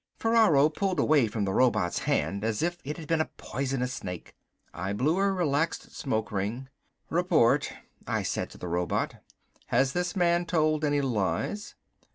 Ferraro pulled away from the robot's hand as if it had been a poisonous snake. I blew a relaxed smoke ring. "Report," I said to the robot. "Has this man told any lies?"